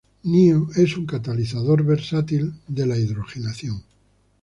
El NiO es un versátil catalizador de la hidrogenación.